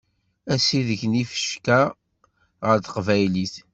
Asideg n yifecka ɣer teqbaylit.